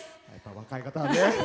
若い方はね。